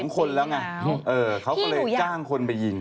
๒คนแล้วไงเขาก็เลยจ้างคนไปยิง